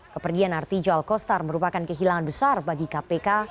kepergian artijo alkostar merupakan kehilangan besar bagi kpk